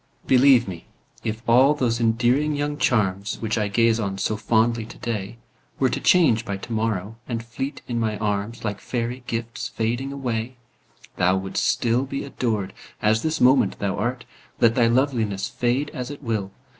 Believe me, if all those endearing young charms, Which I gaze on so fondly today, Were to change by to morrow, and fleet in my arms, Like fairy gifts fading away, Thou wouldst still be adored, as this moment thou art. Let thy loveliness fade as it will.